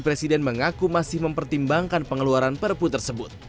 presiden mengaku masih mempertimbangkan pengeluaran perpu tersebut